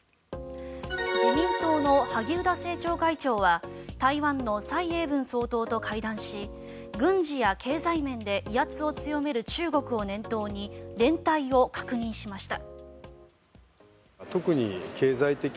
自民党の萩生田政調会長は台湾の蔡英文総統と会談し軍事や経済面で威圧を強める中国を念頭に連帯を確認しました。